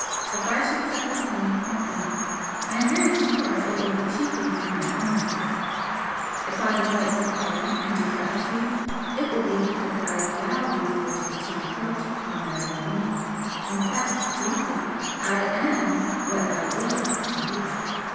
If I should suffer pain or illness I am very sure it will be chiefly through my own fault if I invite decay and decrepitude, it will be because I allow these forces to encroach upon my well being in fact, briefly I AM what I WILL to be!